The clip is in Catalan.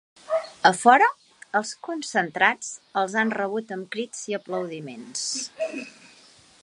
A fora, els concentrats els han rebuts amb crits i aplaudiments.